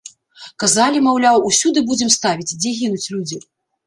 Казалі, маўляў, усюды будзем ставіць, дзе гінуць людзі?